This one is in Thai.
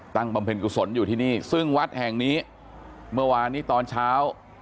บำเพ็ญกุศลอยู่ที่นี่ซึ่งวัดแห่งนี้เมื่อวานนี้ตอนเช้า